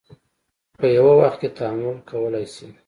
په یوه وخت کې تحمل کولی شي.